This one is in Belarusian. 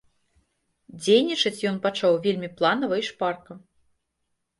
Дзейнічаць ён пачаў вельмі планава і шпарка.